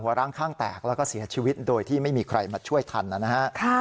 ร่างข้างแตกแล้วก็เสียชีวิตโดยที่ไม่มีใครมาช่วยทันนะฮะ